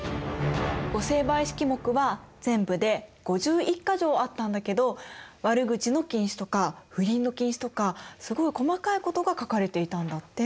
御成敗式目は全部で５１か条あったんだけど悪口の禁止とか不倫の禁止とかすごい細かいことが書かれていたんだって。